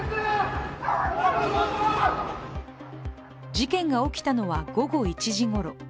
事件が起きたのは午後１時ごろ。